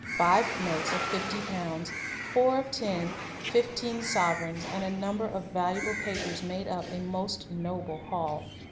Five notes of fifty pounds, four of ten, fifteen sovereigns, and a number of valuable papers made up a most noble haul.